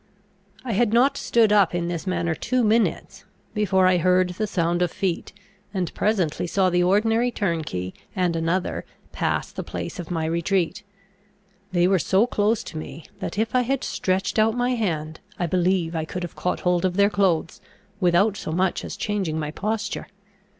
I had not stood up in this manner two minutes, before I heard the sound of feet, and presently saw the ordinary turnkey and another pass the place of my retreat. They were so close to me that, if I had stretched out my hand, I believe I could have caught hold of their clothes, without so much as changing my posture.